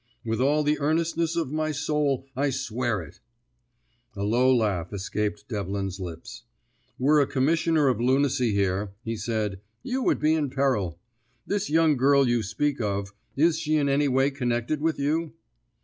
With all the earnestness of my soul, I swear it." A low laugh escaped Devlin's lips. "Were a commissioner of lunacy here," he said, "you would be in peril. This young girl you speak of, is she in any way connected with you?"